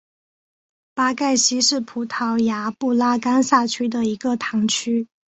巴盖希是葡萄牙布拉干萨区的一个堂区。